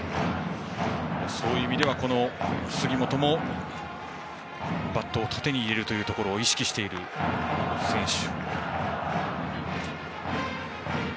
そういう意味では打席の杉本もバットを縦に入れることを意識している選手。